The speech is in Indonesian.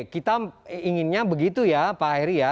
kita inginnya begitu ya pak heri ya